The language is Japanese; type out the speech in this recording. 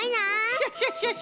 クシャシャシャ！